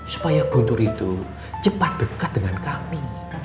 supaya guntur itu cepat dekat dengan kami